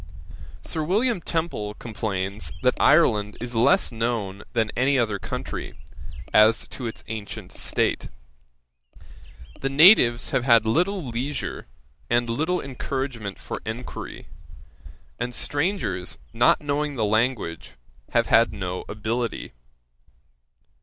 Sir William Temple complains that Ireland is less known than any other country, as to its ancient state. The natives have had little leisure, and little encouragement for enquiry; and strangers, not knowing the language, have had no ability.